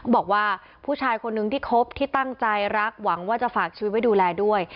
บอกว่าผู้ชายคนนึงที่คบที่ตั้งใจรักหวังว่าจะฝากชีวิตไว้ดูแลด้วย